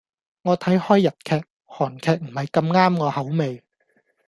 我睇開日劇，韓劇唔係咁啱我口味